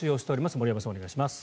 森山さん、お願いします。